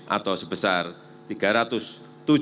atau sebesar rp tiga ratus tujuh dua triliun